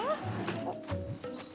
あっ！